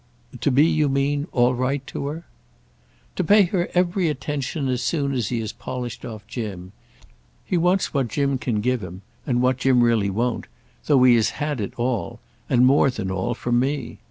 "To be, you mean, all right to her?" "To pay her every attention as soon as he has polished off Jim. He wants what Jim can give him—and what Jim really won't—though he has had it all, and more than all, from me.